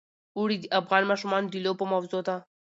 اوړي د افغان ماشومانو د لوبو موضوع ده.